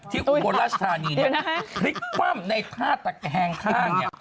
ที่อุโบราชธานีนี่พลิกปั้มในท่าตะแคงข้าง